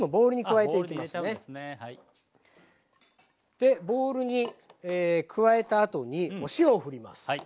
でボウルに加えたあとにお塩をふります。